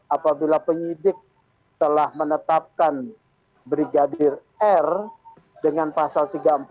apabila penyidik telah menetapkan brigadir r dengan pasal tiga ratus empat puluh